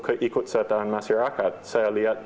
keikutsertaan masyarakat saya lihat